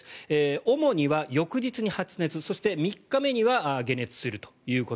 主には翌日に発熱そして３日目には解熱すると。